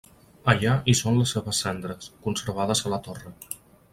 Allà hi són les seves cendres, conservades a la torre.